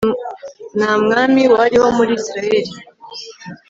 nta mwami wariho muri israheli